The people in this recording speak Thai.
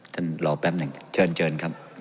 รอแป๊บหนึ่งเชิญครับ